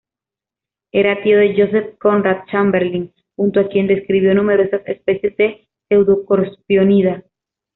Era tío de Joseph Conrad Chamberlin, junto a quien describió numerosas especies de Pseudoscorpionida.